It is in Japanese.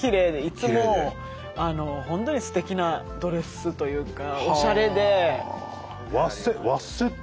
いつも本当にすてきなドレスというかおしゃれで。